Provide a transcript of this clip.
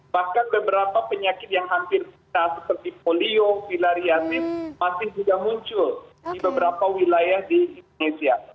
bahkan beberapa penyakit yang hampir seperti polio filariantim masih sudah muncul di beberapa wilayah di indonesia